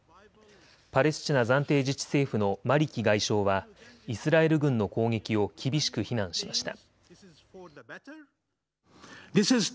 パレスチナ暫定自治政府のマリキ外相はイスラエル軍の攻撃を厳しく非難しました。